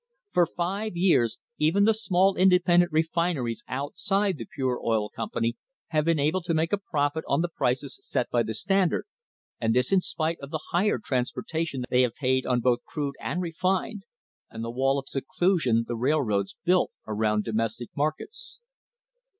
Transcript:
For five years even the small independent refineries outside of the Pure Oil Company have been able to make a profit on the prices set by the Standard, and this in spite of the higher transportation they have paid on both crude and refined, and the wall of seclusion the railroads build around domestic markets.